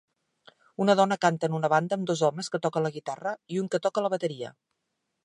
Una dona canta en una banda amb dos homes que toquen la guitarra i un que toca la bateria.